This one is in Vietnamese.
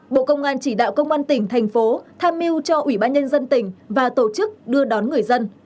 bộ công an chỉ đạo công an tỉnh thành phố tham mưu cho ủy ban nhân dân tỉnh và tổ chức đưa đón người dân